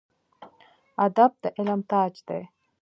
ادب د علم تاج دی